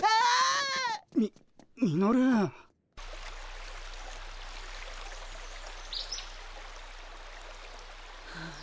ミミノル？はああ。